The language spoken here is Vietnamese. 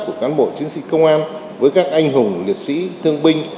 của cán bộ chiến sĩ công an với các anh hùng liệt sĩ thương binh